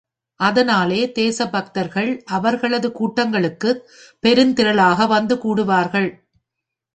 அதனாலே தேசபக்தர்கள் அவர்களது கூட்டங்களுக்குப் பெருந்திரளாக வந்து கூடுவார்கள்.